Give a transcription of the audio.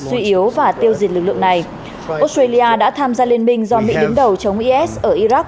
suy yếu và tiêu diệt lực lượng này australia đã tham gia liên minh do mỹ đứng đầu chống is ở iraq